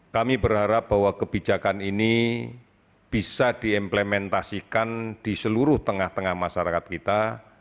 kami berharap bahwa kebijakan ini bisa diimplementasikan di seluruh tengah tengah masyarakat kita